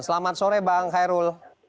selamat sore bang kairul